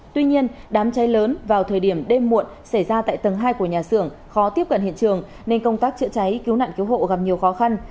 tuy nhiên đám cháy lớn vào thời điểm đêm muộn xảy ra tại tầng hai của nhà xưởng khó tiếp cận hiện trường nên công tác chữa cháy cứu nạn cứu hộ gặp nhiều khó khăn